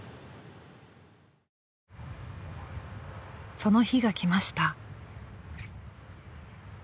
［その日が来ました］